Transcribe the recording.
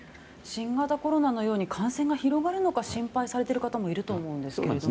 新型コロナのように感染が広がるのか心配されている方もいると思うんですけど。